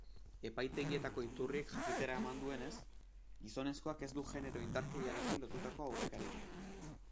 Epaitegietako iturriek jakitera eman duenez, gizonezkoak ez du genero indarkeriarekin lotutako aurrekaririk.